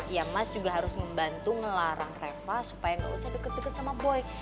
ya mas juga harus membantu ngelarang reva supaya gak usah deket deket sama boyke